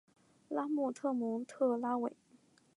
拉莫特蒙特拉韦。